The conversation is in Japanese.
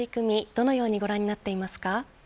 どのようにご覧になっていますか。